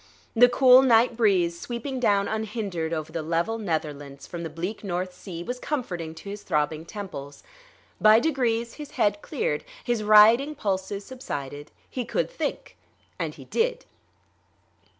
The cool night breeze, sweeping down unhindered over the level Netherlands from the bleak North Sea, was comforting to his throbbing temples. By degrees his head cleared, his rioting pulses subsided, he could think; and he did.